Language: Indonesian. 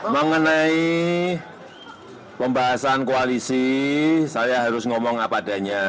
mengenai pembahasan koalisi saya harus ngomong apa adanya